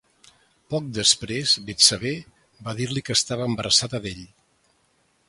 Poc després Betsabé va dir-li que estava embarassada d'ell.